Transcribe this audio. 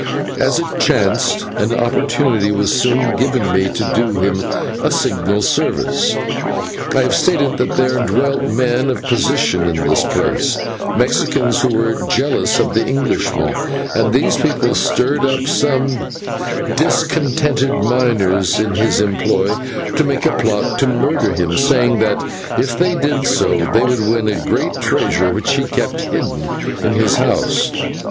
As it chanced, an opportunity was soon given to me to do him a signal service. I have stated that there dwelt men of position in this place, Mexicans who were jealous of the Englishman, and these people stirred up some discontented miners in his employ to make a plot to murder him, saying that, if they did so, they would win a great treasure which he kept hidden in his house.